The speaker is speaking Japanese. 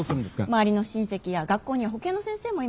周りの親戚や学校には保健の先生もいます。